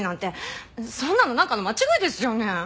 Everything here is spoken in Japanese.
そんなのなんかの間違いですよね？